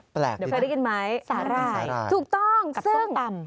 แปลกดินะสาหร่ายถูกต้องซึ่งสาหร่ายกับส้มตำ